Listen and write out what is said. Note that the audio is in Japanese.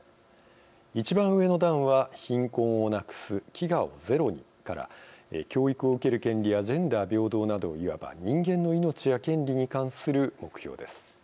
一番上の段は、貧困をなくす飢餓をゼロにから教育を受ける権利やジェンダー平等などいわば、人間の命や権利に関する目標です。